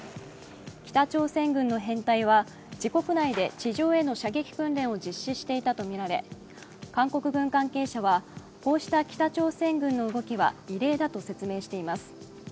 北朝鮮軍の編隊は、自国内で地上への射撃訓練を実施していたとみられ韓国軍関係者は、こうした北朝鮮軍の動きは異例だと説明しています。